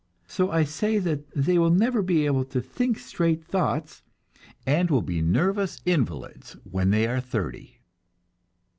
So I say that they will never be able to think straight thoughts, and will be nervous invalids when they are thirty.